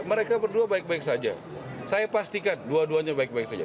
mereka berdua baik baik saja saya pastikan dua duanya baik baik saja